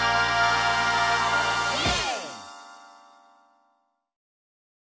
イエーイ！